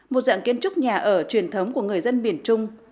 một dạng kiến trúc nhà ở truyền thống của người dân miền trung